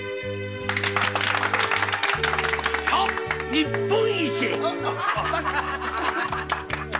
日本一。